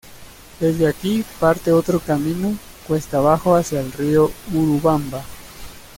Desde aquí parte otro camino cuesta abajo hacia el río Urubamba.